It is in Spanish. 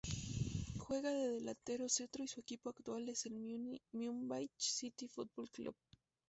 Juega de delantero centro y su equipo actual es el Mumbai City Football Club.